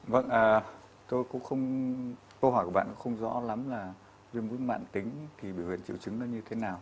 vâng câu hỏi của bạn cũng không rõ lắm là viêm mũi mạng tính thì biểu hiện triệu chứng nó như thế nào